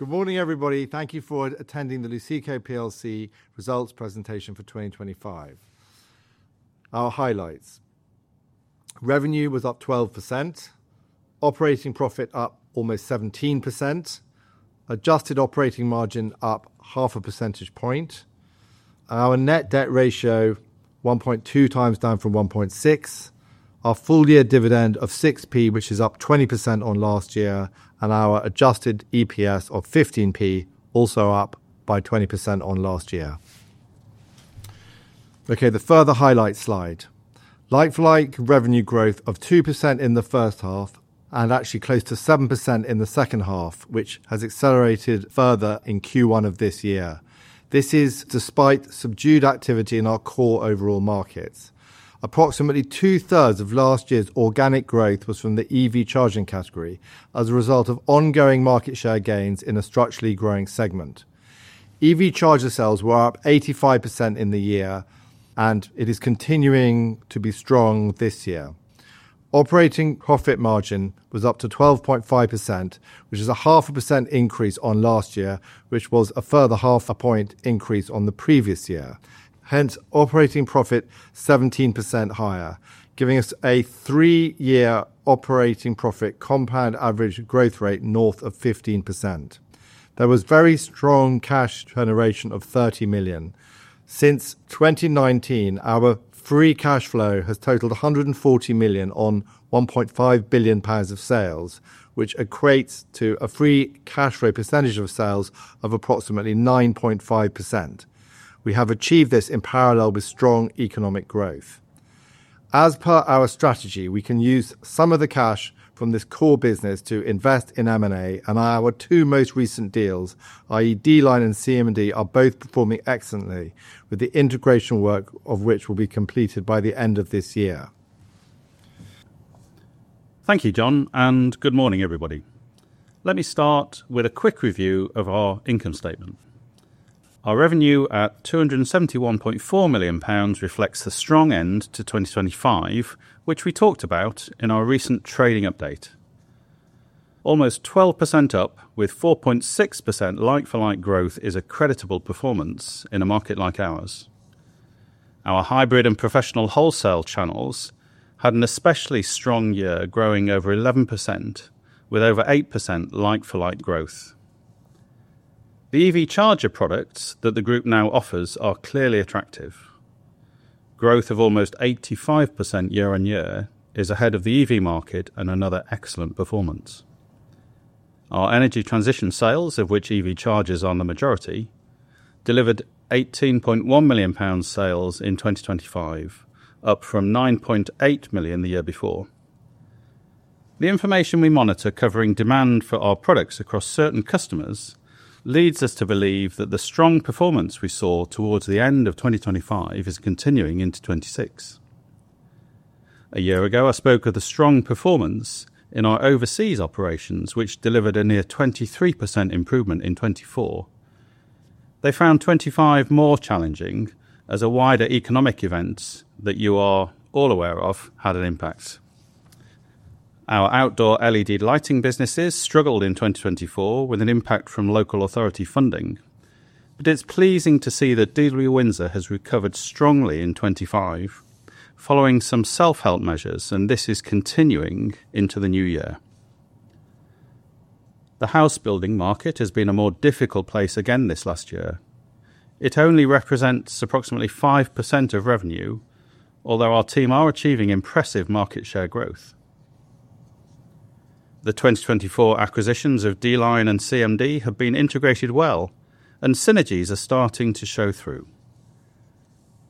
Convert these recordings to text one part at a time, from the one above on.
Good morning, everybody. Thank you for attending the Luceco plc results presentation for 2025. Our highlights. Revenue was up 12%, operating profit up almost 17%, adjusted operating margin up half a percentage point. Our net debt ratio 1.2x down from 1.6x. Our full year dividend of 0.06, which is up 20% on last year, and our adjusted EPS of 0.15 also up by 20% on last year. Okay, the further highlight slide. Like for like, revenue growth of 2% in the first half and actually close to 7% in the second half, which has accelerated further in Q1 of this year. This is despite subdued activity in our core overall markets. Approximately 2/3 of last year's organic growth was from the EV charging category as a result of ongoing market share gains in a structurally growing segment. EV charger sales were up 85% in the year, and it is continuing to be strong this year. Operating profit margin was up to 12.5%, which is a half a percent increase on last year, which was a further half a point increase on the previous year. Hence, operating profit 17% higher, giving us a three-year operating profit compound average growth rate north of 15%. There was very strong cash generation of 30 million. Since 2019, our free cash flow has totaled 140 million on 1.5 billion pounds of sales, which equates to a free cash flow percentage of sales of approximately 9.5%. We have achieved this in parallel with strong economic growth. As per our strategy, we can use some of the cash from this core business to invest in M&A, and our two most recent deals, i.e. D-Line and CMD, are both performing excellently with the integration work of which will be completed by the end of this year. Thank you, John, and good morning, everybody. Let me start with a quick review of our income statement. Our revenue at GBP 271.4 million reflects the strong end to 2025, which we talked about in our recent trading update. Almost 12% up with 4.6% like-for-like growth is a creditable performance in a market like ours. Our hybrid and professional wholesale channels had an especially strong year, growing over 11% with over 8% like-for-like growth. The EV charger products that the Group now offers are clearly attractive. Growth of almost 85% year on year is ahead of the EV market and another excellent performance. Our energy transition sales, of which EV chargers are the majority, delivered 18.1 million pounds sales in 2025, up from 9.8 million the year before. The information we monitor covering demand for our products across certain customers leads us to believe that the strong performance we saw towards the end of 2025 is continuing into 2026. A year ago, I spoke of the strong performance in our overseas operations, which delivered a near 23% improvement in 2024. They found 2025 more challenging as a wider economic event that you are all aware of had an impact. Our outdoor LED lighting businesses struggled in 2024 with an impact from local authority funding. It's pleasing to see that DW Windsor has recovered strongly in 2025 following some self-help measures, and this is continuing into the new year. The house building market has been a more difficult place again this last year. It only represents approximately 5% of revenue, although our team are achieving impressive market share growth. The 2024 acquisitions of D-Line and CMD have been integrated well, and synergies are starting to show through.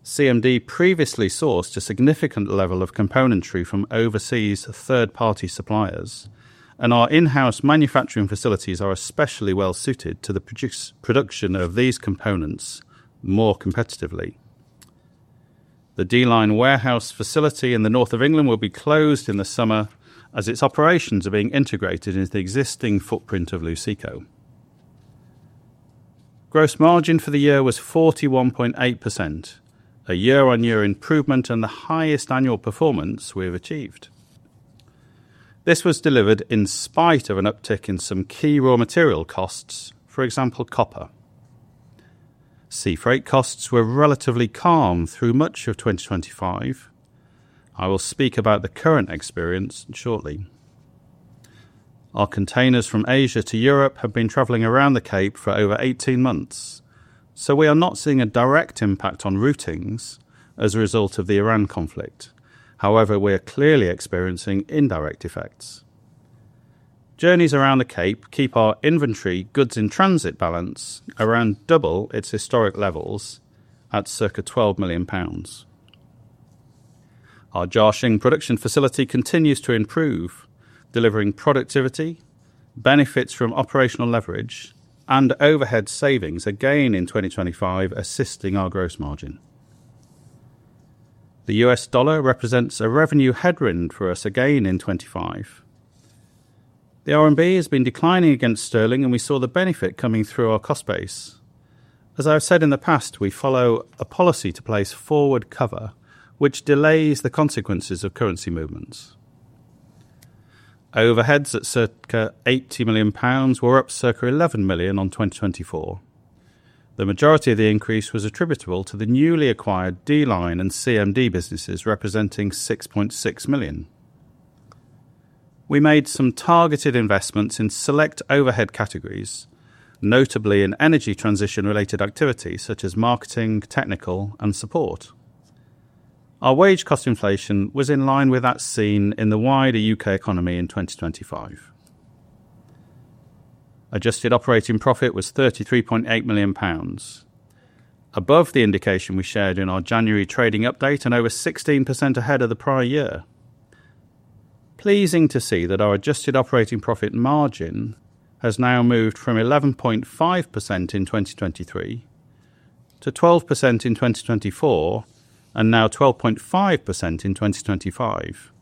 CMD previously sourced a significant level of componentry from overseas third-party suppliers, and our in-house manufacturing facilities are especially well suited to the production of these components more competitively. The D-Line warehouse facility in the North of England will be closed in the summer as its operations are being integrated into the existing footprint of Luceco. Gross margin for the year was 41.8%, a year-on-year improvement and the highest annual performance we have achieved. This was delivered in spite of an uptick in some key raw material costs, for example, copper. Sea freight costs were relatively calm through much of 2025. I will speak about the current experience shortly. Our containers from Asia to Europe have been traveling around the Cape for over 18 months, so we are not seeing a direct impact on routings as a result of the Iran conflict. However, we are clearly experiencing indirect effects. Journeys around the Cape keep our inventory goods in transit balance around double its historic levels at circa 12 million pounds. Our Jiaxing production facility continues to improve delivering productivity, benefits from operational leverage, and overhead savings, again in 2025, assisting our gross margin. The U.S. dollar represents a revenue headwind for us again in 2025. The RMB has been declining against sterling, and we saw the benefit coming through our cost base. As I have said in the past, we follow a policy to place forward cover which delays the consequences of currency movements. Overheads at circa 80 million pounds were up circa 11 million on 2024. The majority of the increase was attributable to the newly acquired D-Line and CMD businesses, representing 6.6 million. We made some targeted investments in select overhead categories, notably in energy transition-related activities such as marketing, technical, and support. Our wage cost inflation was in line with that seen in the wider U.K. economy in 2025. Adjusted operating profit was 33.8 million pounds, above the indication we shared in our January trading update and over 16% ahead of the prior year. Pleasing to see that our adjusted operating profit margin has now moved from 11.5% in 2023 to 12% in 2024, and now 12.5% in 2025.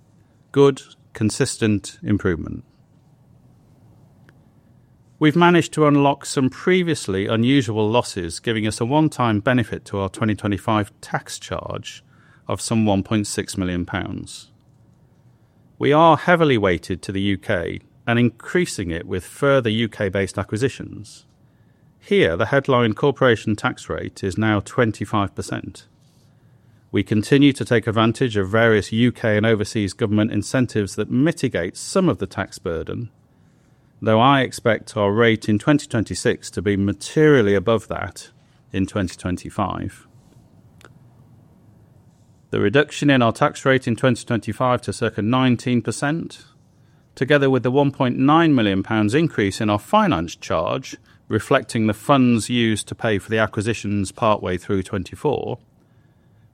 Good, consistent improvement. We've managed to unlock some previously unusual losses, giving us a one-time benefit to our 2025 tax charge of some 1.6 million pounds. We are heavily weighted to the U.K. and increasing it with further U.K.-based acquisitions. Here, the headline corporation tax rate is now 25%. We continue to take advantage of various U.K. and overseas government incentives that mitigate some of the tax burden, though I expect our rate in 2026 to be materially above that in 2025. The reduction in our tax rate in 2025 to circa 19%, together with the 1.9 million pounds increase in our finance charge, reflecting the funds used to pay for the acquisitions partway through 2024,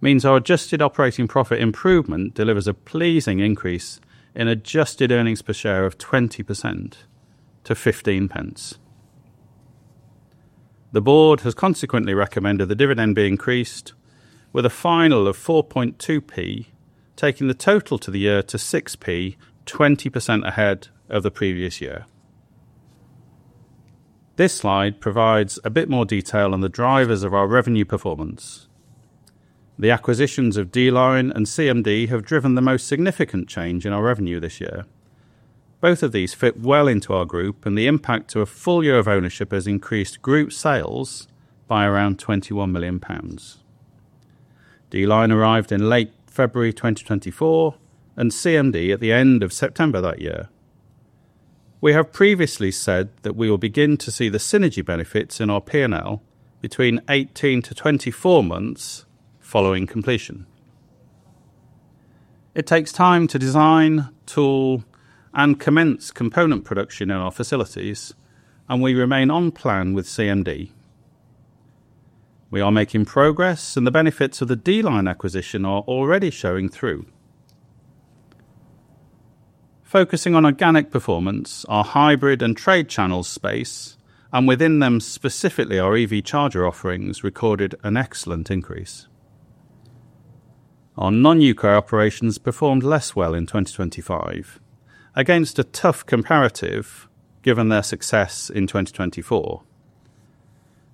means our adjusted operating profit improvement delivers a pleasing increase in adjusted earnings per share of 20% to 0.15. The board has consequently recommended the dividend be increased with a final of 0.042, taking the total for the year to 0.06, 20% ahead of the previous year. This slide provides a bit more detail on the drivers of our revenue performance. The acquisitions of D-Line and CMD have driven the most significant change in our revenue this year. Both of these fit well into our group, and the impact of a full year of ownership has increased group sales by around 21 million pounds. D-Line arrived in late February 2024 and CMD at the end of September that year. We have previously said that we will begin to see the synergy benefits in our P&L between 18 months-24 months following completion. It takes time to design, tool, and commence component production in our facilities, and we remain on plan with CMD. We are making progress, and the benefits of the D-Line acquisition are already showing through. Focusing on organic performance, our hybrid and trade channels space, and within them specifically our EV charger offerings, recorded an excellent increase. Our non-U.K. operations performed less well in 2025 against a tough comparative given their success in 2024.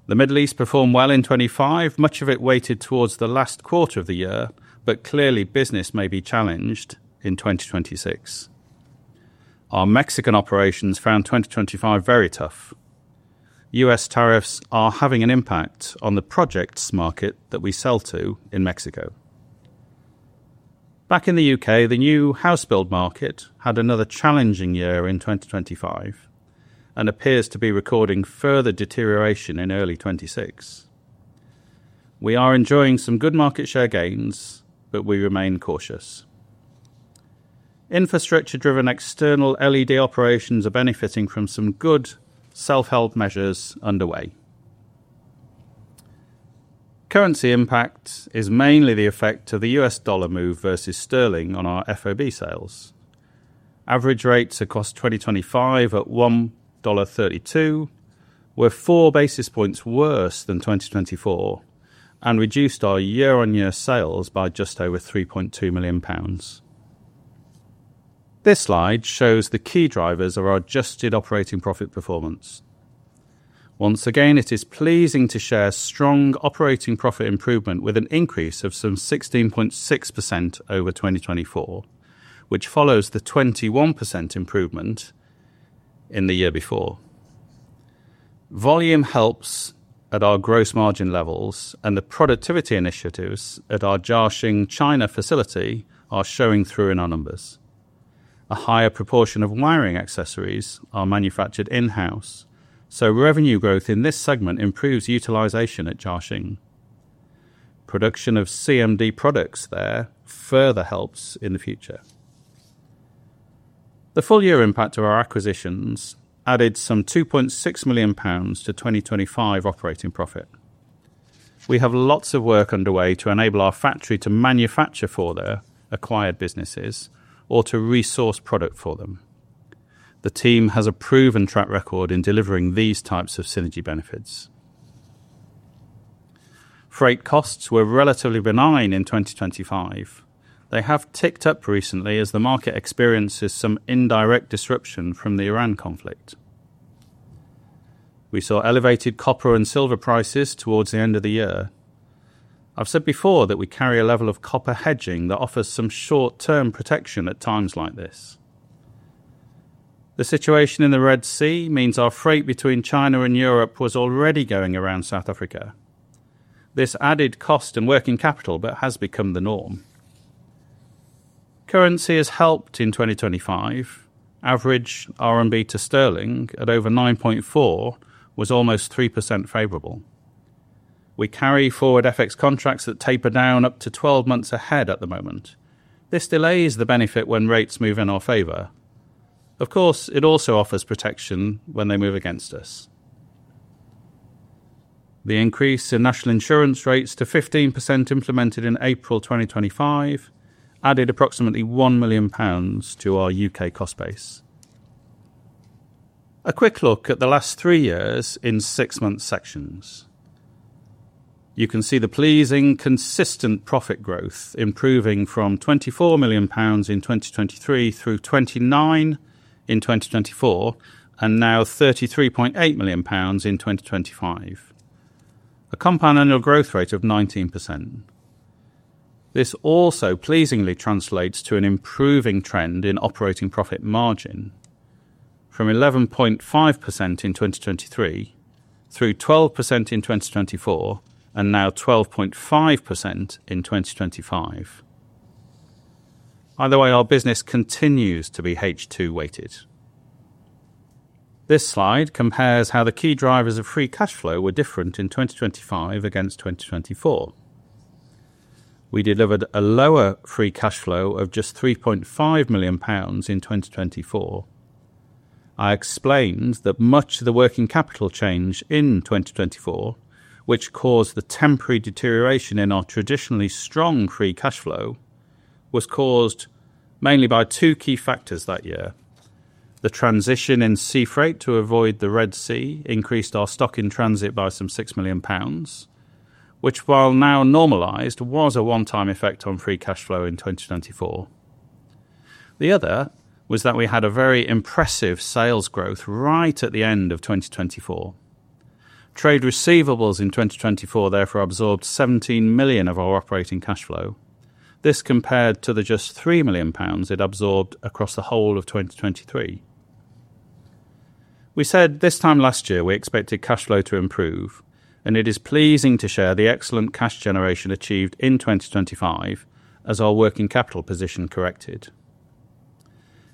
The Middle East performed well in 2025, much of it weighted towards the last quarter of the year, but clearly business may be challenged in 2026. Our Mexican operations found 2025 very tough. U.S. tariffs are having an impact on the projects market that we sell to in Mexico. Back in the U.K., the new house build market had another challenging year in 2025 and appears to be recording further deterioration in early 2026. We are enjoying some good market share gains, but we remain cautious. Infrastructure-driven external LED operations are benefiting from some good self-help measures underway. Currency impact is mainly the effect of the U.S. dollar move versus sterling on our FOB sales. Average rates across 2025 at $1.32 were 4 basis points worse than 2024 and reduced our year-on-year sales by just over 3.2 million pounds. This slide shows the key drivers of our adjusted operating profit performance. Once again, it is pleasing to share strong operating profit improvement with an increase of some 16.6% over 2024, which follows the 21% improvement in the year before. Volume helps at our gross margin levels, and the productivity initiatives at our Jiaxing, China facility are showing through in our numbers. A higher proportion of wiring accessories are manufactured in-house, so revenue growth in this segment improves utilization at Jiaxing. Production of CMD products there further helps in the future. The full year impact of our acquisitions added some 2.6 million pounds to 2025 operating profit. We have lots of work underway to enable our factory to manufacture for their acquired businesses or to resource product for them. The team has a proven track record in delivering these types of synergy benefits. Freight costs were relatively benign in 2025. They have ticked up recently as the market experiences some indirect disruption from the Iran conflict. We saw elevated copper and silver prices towards the end of the year. I've said before that we carry a level of copper hedging that offers some short-term protection at times like this. The situation in the Red Sea means our freight between China and Europe was already going around South Africa. This added cost and working capital, but has become the norm. Currency has helped in 2025. Average RMB to sterling at over 9.4 was almost 3% favorable. We carry forward FX contracts that taper down up to 12 months ahead at the moment. This delays the benefit when rates move in our favor. Of course, it also offers protection when they move against us. The increase in national insurance rates to 15% implemented in April 2025 added approximately 1 million pounds to our U.K. cost base. A quick look at the last three years in six-month sections. You can see the pleasing consistent profit growth improving from 24 million pounds in 2023 through 29 million in 2024 and now 33.8 million pounds in 2025. A compound annual growth rate of 19%. This also pleasingly translates to an improving trend in operating profit margin from 11.5% in 2023 through 12% in 2024 and now 12.5% in 2025. Either way, our business continues to be H2 weighted. This slide compares how the key drivers of free cash flow were different in 2025 against 2024. We delivered a lower free cash flow of just 3.5 million pounds in 2024. I explained that much of the working capital change in 2024, which caused the temporary deterioration in our traditionally strong free cash flow, was caused mainly by two key factors that year. The transition in sea freight to avoid the Red Sea increased our stock in transit by some 6 million pounds, which while now normalized, was a one-time effect on free cash flow in 2024. The other was that we had a very impressive sales growth right at the end of 2024. Trade receivables in 2024 therefore absorbed 17 million of our operating cash flow. This compared to just 3 million pounds it absorbed across the whole of 2023. We said this time last year we expected cash flow to improve, and it is pleasing to share the excellent cash generation achieved in 2025 as our working capital position corrected.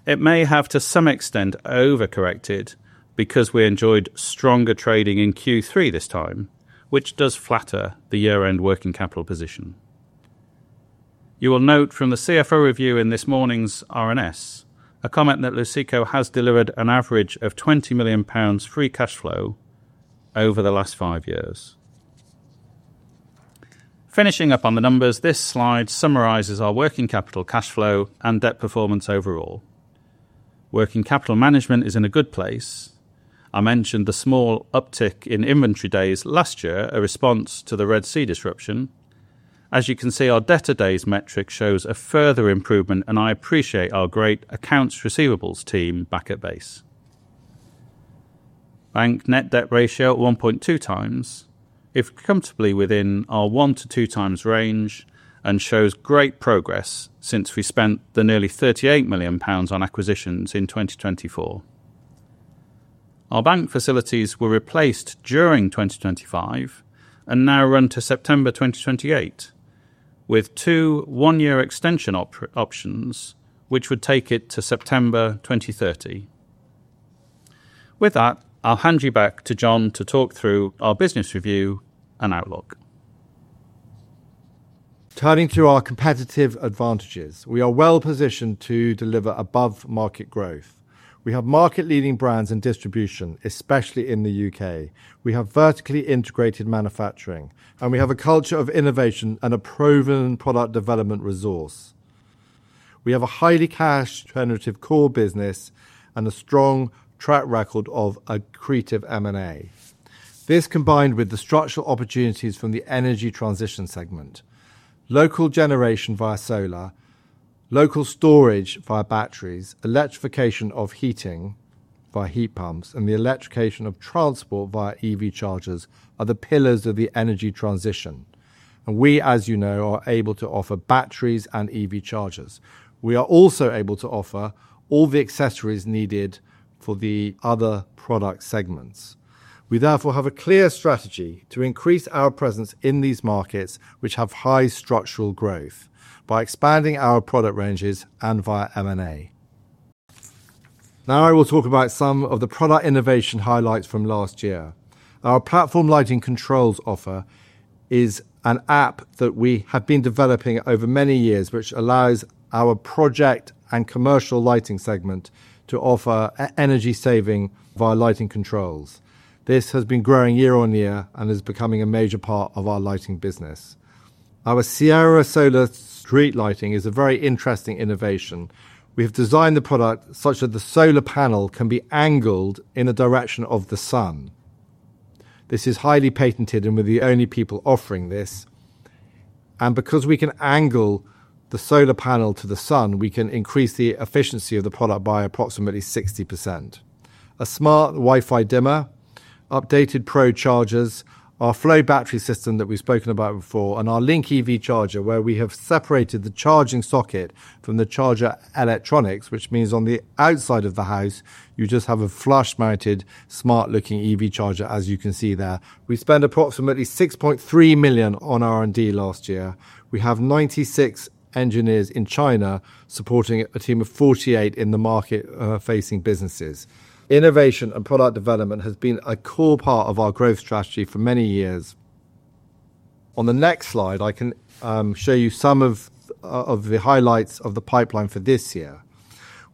It may have to some extent over-corrected because we enjoyed stronger trading in Q3 this time, which does flatter the year-end working capital position. You will note from the CFO review in this morning's RNS, a comment that Luceco has delivered an average of 20 million pounds free cash flow over the last five years. Finishing up on the numbers, this slide summarizes our working capital cash flow and debt performance overall. Working capital management is in a good place. I mentioned the small uptick in inventory days last year, a response to the Red Sea disruption. As you can see, our debtor days metric shows a further improvement, and I appreciate our great accounts receivable team back at base. Bank net debt ratio at 1.2x is comfortably within our 1x-2x range and shows great progress since we spent nearly 38 million pounds on acquisitions in 2024. Our bank facilities were replaced during 2025 and now run to September 2028, with two one-year extension options which would take it to September 2030. With that, I'll hand you back to John to talk through our business review and outlook. Turning to our competitive advantages, we are well-positioned to deliver above-market growth. We have market-leading brands and distribution, especially in the U.K. We have vertically integrated manufacturing, and we have a culture of innovation and a proven product development resource. We have a highly cash-generative core business and a strong track record of accretive M&A. This, combined with the structural opportunities from the energy transition segment. Local generation via solar, local storage via batteries, electrification of heating via heat pumps, and the electrification of transport via EV chargers are the pillars of the energy transition. We, as you know, are able to offer batteries and EV chargers. We are also able to offer all the accessories needed for the other product segments. We therefore have a clear strategy to increase our presence in these markets which have high structural growth by expanding our product ranges and via M&A. Now I will talk about some of the product innovation highlights from last year. Our Platform lighting controls offer is an app that we have been developing over many years, which allows our project and commercial lighting segment to offer energy saving via lighting controls. This has been growing year on year and is becoming a major part of our lighting business. Our Sierra Solar street lighting is a very interesting innovation. We have designed the product such that the solar panel can be angled in the direction of the sun. This is highly patented, and we're the only people offering this. Because we can angle the solar panel to the sun, we can increase the efficiency of the product by approximately 60%. A smart Wi-Fi dimmer, updated Pro Chargers, our Flow battery system that we've spoken about before, and our Link EV Charger, where we have separated the charging socket from the charger electronics, which means on the outside of the house, you just have a flush-mounted, smart-looking EV charger, as you can see there. We spent approximately 6.3 million on R&D last year. We have 96 engineers in China supporting a team of 48 in the market-facing businesses. Innovation and product development has been a core part of our growth strategy for many years. On the next slide, I can show you some of the highlights of the pipeline for this year.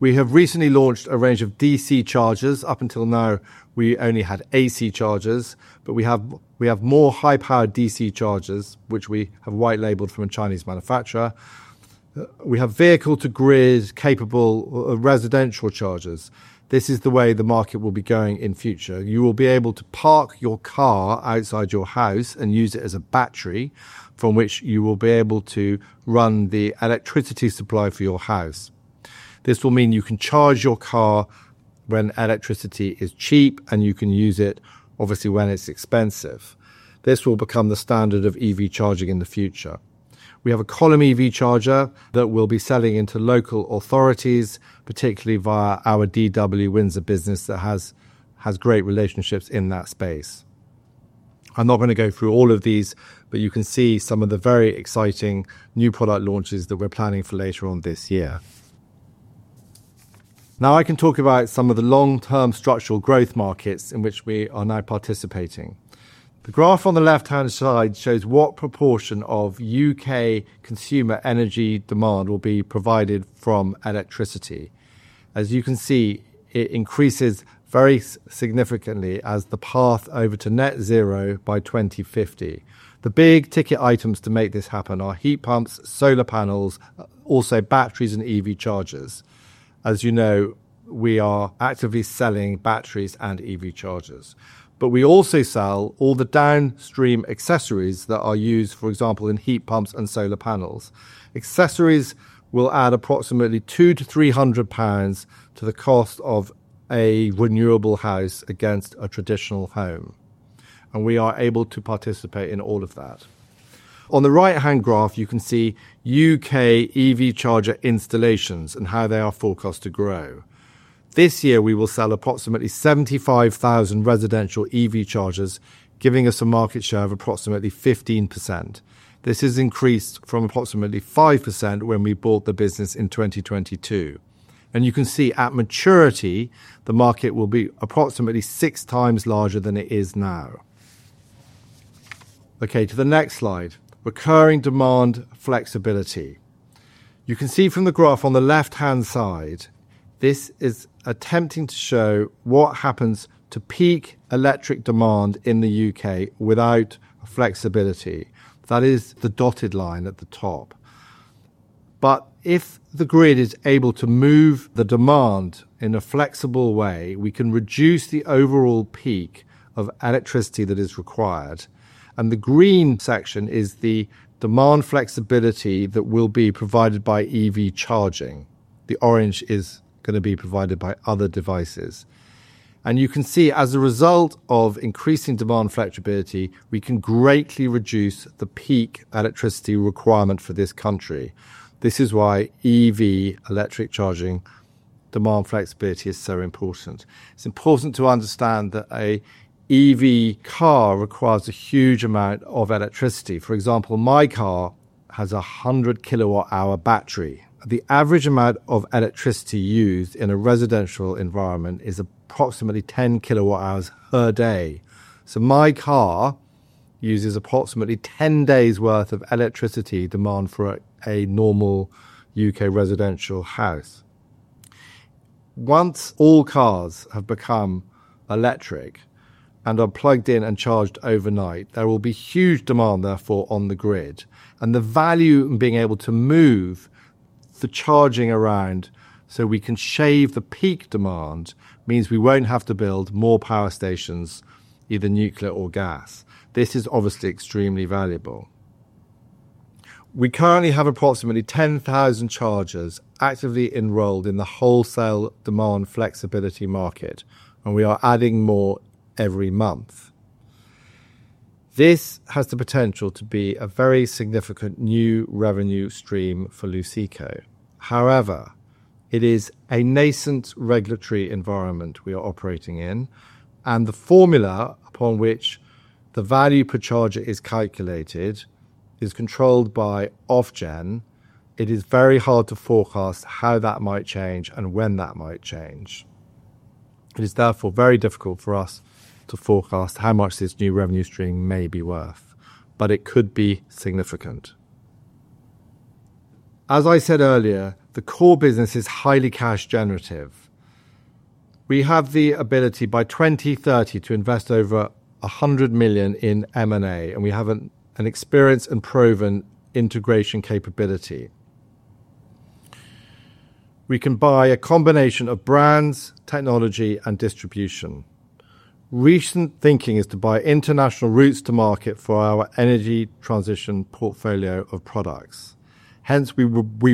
We have recently launched a range of DC chargers. Up until now, we only had AC chargers, but we have more high-powered DC chargers, which we have white labeled from a Chinese manufacturer. We have vehicle-to-grid capable residential chargers. This is the way the market will be going in future. You will be able to park your car outside your house and use it as a battery from which you will be able to run the electricity supply for your house. This will mean you can charge your car when electricity is cheap, and you can use it obviously when it's expensive. This will become the standard of EV charging in the future. We have a column EV charger that we'll be selling into local authorities, particularly via our DW Windsor business that has great relationships in that space. I'm not gonna go through all of these, but you can see some of the very exciting new product launches that we're planning for later on this year. Now I can talk about some of the long-term structural growth markets in which we are now participating. The graph on the left-hand side shows what proportion of U.K. consumer energy demand will be provided from electricity. As you can see, it increases very significantly as the path over to net zero by 2050. The big-ticket items to make this happen are heat pumps, solar panels, also batteries and EV chargers. As you know, we are actively selling batteries and EV chargers. We also sell all the downstream accessories that are used, for example, in heat pumps and solar panels. Accessories will add approximately 200-300 pounds to the cost of a renewable house against a traditional home, and we are able to participate in all of that. On the right-hand graph, you can see U.K. EV charger installations and how they are forecast to grow. This year, we will sell approximately 75,000 residential EV chargers, giving us a market share of approximately 15%. This has increased from approximately 5% when we bought the business in 2022. You can see at maturity, the market will be approximately 6x larger than it is now. Okay, to the next slide. Recurring demand flexibility. You can see from the graph on the left-hand side, this is attempting to show what happens to peak electric demand in the U.K. without flexibility. That is the dotted line at the top. If the grid is able to move the demand in a flexible way, we can reduce the overall peak of electricity that is required. The green section is the demand flexibility that will be provided by EV charging. The orange is gonna be provided by other devices. You can see, as a result of increasing demand flexibility, we can greatly reduce the peak electricity requirement for this country. This is why EV electric charging demand flexibility is so important. It's important to understand that a EV car requires a huge amount of electricity. For example, my car has a 100 kWh battery. The average amount of electricity used in a residential environment is approximately 10 kWh per day. My car uses approximately 10 days worth of electricity demand for a normal U.K. residential house. Once all cars have become electric and are plugged in and charged overnight, there will be huge demand, therefore, on the grid, and the value in being able to move the charging around so we can shave the peak demand means we won't have to build more power stations, either nuclear or gas. This is obviously extremely valuable. We currently have approximately 10,000 chargers actively enrolled in the wholesale demand flexibility market, and we are adding more every month. This has the potential to be a very significant new revenue stream for Luceco. However, it is a nascent regulatory environment we are operating in, and the formula upon which the value per charge is calculated is controlled by Ofgem. It is very hard to forecast how that might change and when that might change. It is therefore very difficult for us to forecast how much this new revenue stream may be worth, but it could be significant. As I said earlier, the core business is highly cash generative. We have the ability by 2030 to invest over 100 million in M&A, and we have an experienced and proven integration capability. We can buy a combination of brands, technology, and distribution. Recent thinking is to buy international routes to market for our energy transition portfolio of products. Hence, we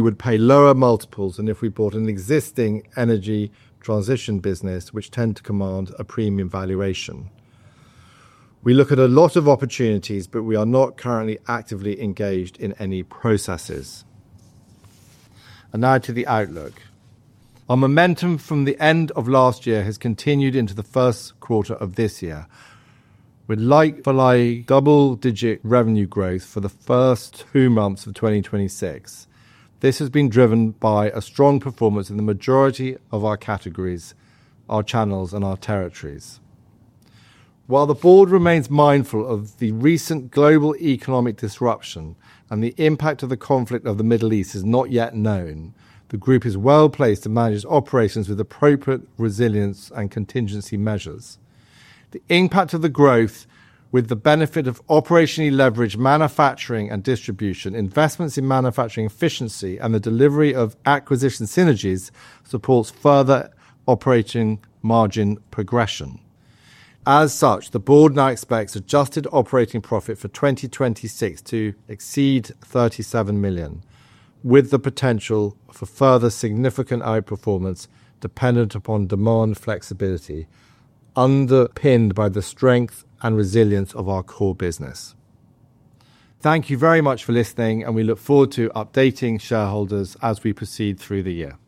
would pay lower multiples than if we bought an existing energy transition business, which tend to command a premium valuation. We look at a lot of opportunities, but we are not currently actively engaged in any processes. Now to the outlook. Our momentum from the end of last year has continued into the first quarter of this year. With like-for-like double-digit revenue growth for the first two months of 2026, this has been driven by a strong performance in the majority of our categories, our channels, and our territories. While the board remains mindful of the recent global economic disruption and the impact of the conflict in the Middle East is not yet known, the group is well-placed to manage its operations with appropriate resilience and contingency measures. The impact of the growth with the benefit of operationally leveraged manufacturing and distribution, investments in manufacturing efficiency, and the delivery of acquisition synergies supports further operating margin progression. As such, the board now expects adjusted operating profit for 2026 to exceed 37 million, with the potential for further significant outperformance dependent upon demand flexibility, underpinned by the strength and resilience of our core business. Thank you very much for listening, and we look forward to updating shareholders as we proceed through the year.